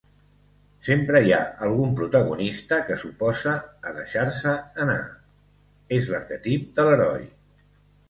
Sempre hi ha algun protagonista que s'oposa a deixar-se anar, és l'arquetip de l'heroi.